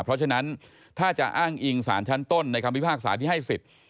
เพราะฉะนั้นถ้าจะอ้างอิงสารชั้นต้นในคำพิพากษาที่ให้สิทธิ์